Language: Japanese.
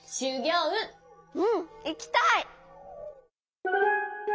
うんいきたい！